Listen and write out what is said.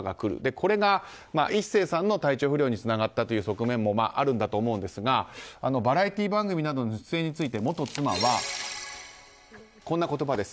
これが壱成さんの体調不良につながったという側面もあるんだと思うんですがバラエティー番組などの出演について元妻は、こんな言葉です。